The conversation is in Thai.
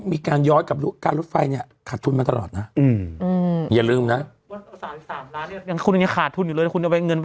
มีเงินไปจ่ายทำเป็น๓๓ล้าน